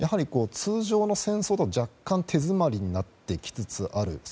通常の戦争では若干、手詰まりになってきつつある。